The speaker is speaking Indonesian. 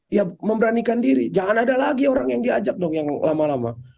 ya memberanikan diri jangan ada lagi orang yang diajak dong yang lama lama